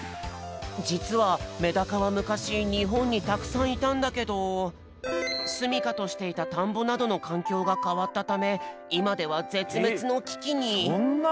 じつはメダカはむかしにほんにたくさんいたんだけどすみかとしていたたんぼなどのかんきょうがかわったためいまではぜつめつのききに。